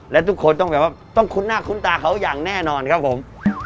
และทุกคนต้องแบบว่าต้องคุ้นหน้าคุ้นตาเขาอย่างแน่นอนครับผม